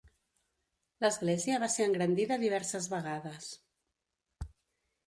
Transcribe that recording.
L'església va ser engrandida diverses vegades.